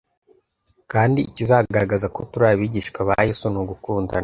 kandi ikizagaragaza ko turi abigishwa ba Yesu ni ugukundana